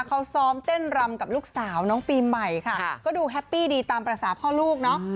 เขาซ้อมเต้นรำกับลูกสาวน้องปีใหม่ค่ะก็ดูแฮปปี้ดีตามภาษาพ่อลูกเนาะ